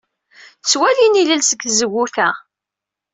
Ttwalin ilel seg tzewwut-a.